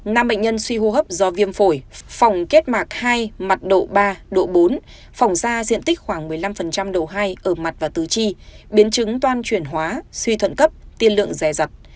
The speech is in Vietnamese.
nam bệnh nhân suy hô hấp do viêm phổi kết mạc hai mặt độ ba độ bốn phòng da diện tích khoảng một mươi năm độ hai ở mặt và tứ chi biến chứng toan chuyển hóa suy thuận cấp tiên lượng rè rặt